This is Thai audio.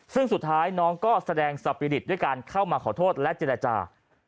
ซึ่งสุดท้ายน้องก็แสดงสปีริตด้วยการเข้ามาขอโทษและเจรจา